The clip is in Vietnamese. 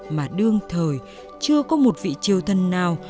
mà đương thời chưa có một vị triều thân nào